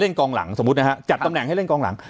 กองหลังสมมุตินะฮะจัดตำแหน่งให้เล่นกองหลัง